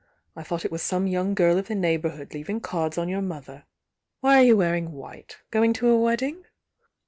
I thought it was some young girl of the neighbourhood leavmg cards on your mother! Why are you wearing white? Going to a wedding?"